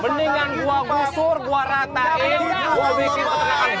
mendingan gue busur gue ratain gue bisik ke tengah tengah